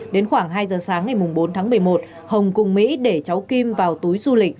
đến khoảng hai giờ sáng ngày bốn tháng một mươi một hồng cùng mỹ để cháu kim vào túi du lịch